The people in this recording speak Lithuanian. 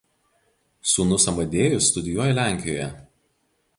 Sūnus Amadėjus studijuoja Lenkijoje.